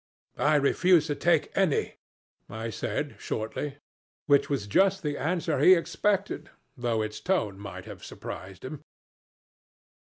'I refuse to take any,' I said shortly; which was just the answer he expected, though its tone might have surprised him.